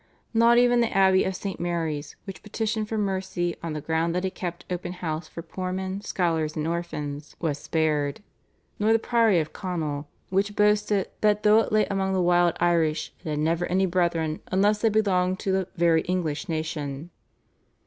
Not even the Abbey of St. Mary's, which petitioned for mercy on the ground that it kept open house for poor men, scholars, and orphans, was spared, nor the priory of Conall, which boasted that though it lay among the wild Irish it had never any brethren unless they belonged to the "very English nation."